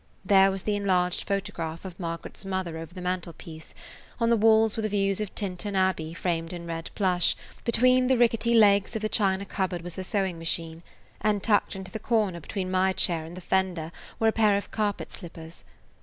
There was the enlarged photograph of Margaret's mother over the mantelpiece, on the walls were the views of Tintern Abbey framed in red plush, between the rickety legs of the china cupboard was the sewing machine, and tucked into the corner between my chair and the fender were a pair of carpet slippers.